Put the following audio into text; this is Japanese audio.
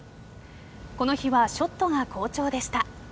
この日はショットが好調でした。